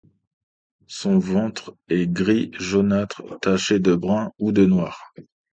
Son ventre est gris jaunâtre taché de brun ou de noir.